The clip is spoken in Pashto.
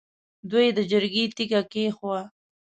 دوی د جرګې تیګه کېښووه.